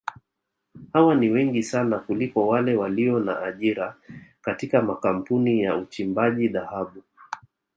Hawa ni wengi sana kuliko wale walio na ajira katika makampuni ya uchimbaji dhahabu